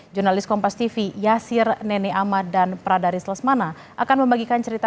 jurnalis kompas tv yasir nenek ama dan pradaris lesmana akan membagikan cerita